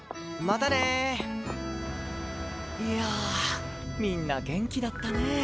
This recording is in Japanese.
いやあみんな元気だったね。